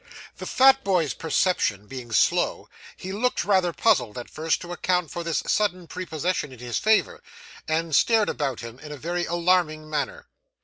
The fat boy's perception being slow, he looked rather puzzled at first to account for this sudden prepossession in his favour, and stared about him in a very alarming manner.